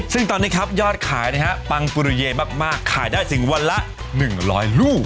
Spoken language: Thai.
ซึ่งตอนนี้ครับยอดขายนะฮะปังปุริเยมากขายได้ถึงวันละ๑๐๐ลูก